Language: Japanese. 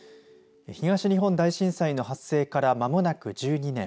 東日本大震災の発生からまもなく１２年。